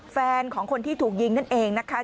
แฟนของคนที่ถูกยิงนั่นเองนะคะ